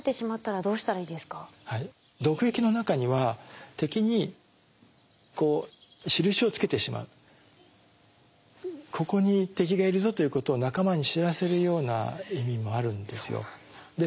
毒液の中には敵に印を付けてしまう「ここに敵がいるぞ」ということを仲間に知らせるような意味もあるんですよ。